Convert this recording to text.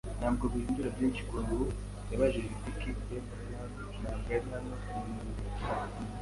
Ntabwo bihindura byinshi, kora, ubu? ” yabajije Dick. “Ben Gunn ntabwo ari hano mu mubiri